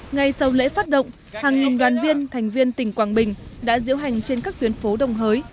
ngay sau lễ phát động hàng nghìn đoàn viên thành viên tỉnh quảng bình đã diễu hành trên các tuyến phố đồng hới